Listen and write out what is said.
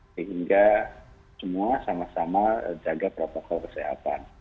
sehingga semua sama sama jaga protokol kesehatan